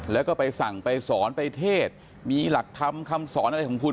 แล้วก็ไปสั่งไปสอนไปเทศมีหลักธรรมคำสอนอะไรของคุณ